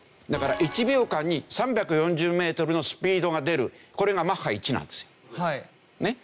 だから１秒間に３４０メートルのスピードが出るこれがマッハ１なんですよ。